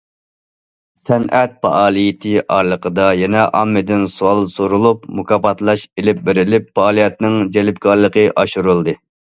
سەنئەت پائالىيىتى ئارىلىقىدا يەنە ئاممىدىن سوئال سورۇلۇپ، مۇكاپاتلاش ئېلىپ بېرىلىپ، پائالىيەتنىڭ جەلپكارلىقى ئاشۇرۇلدى.